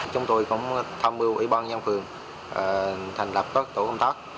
chúng tôi cũng tham mưu ủy ban nhân phường thành lập các tổ công tác